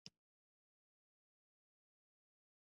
په سوله ایز ډول یې کوچ راکړی وي.